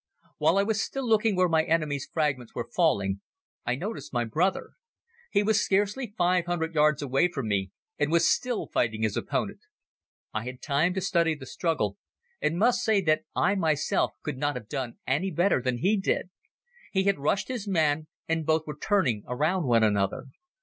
While I was still looking where my enemy's fragments were falling, I noticed my brother. He was scarcely five hundred yards away from me and was still fighting his opponent. I had time to study the struggle and must say that I myself could not have done any better than he did. He had rushed his man and both were turning around one another.